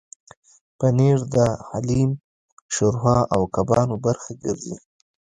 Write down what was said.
پنېر د حلیم، شوروا او کبابو برخه ګرځي.